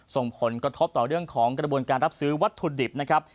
ส่งผลกระทบต่อเรื่องของกระบวนการรับซื้อวัตถุดิบนะครับ